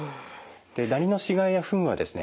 でダニの死骸やフンはですね